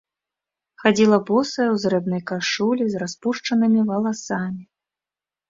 Хадзіла босая ў зрэбнай кашулі з распушчанымі валасамі.